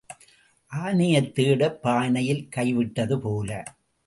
ஆனையைத் தேடப் பானையில் கை விட்டது போல.